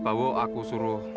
bawo aku suruh